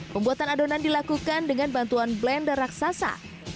pembuatan adonan dilakukan dengan bantuan blender raksasa